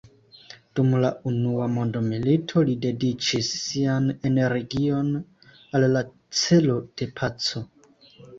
Dum la Unua mondmilito li dediĉis sian energion al la celo de paco.